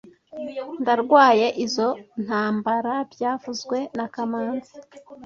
Ndarwaye izoi ntambara byavuzwe na kamanzi